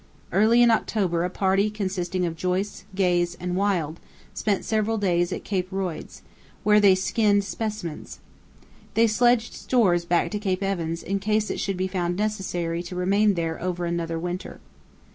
Early in October a party consisting of Joyce, Gaze, and Wild spent several days at Cape Royds, where they skinned specimens. They sledged stores back to Cape Evans in case it should be found necessary to remain there over another winter.